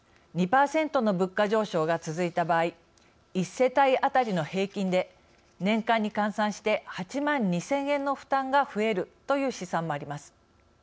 ２％の物価上昇が続いた場合１世帯当たりの平均で年間に換算して８万２，０００円の負担が増えるという試算もあります。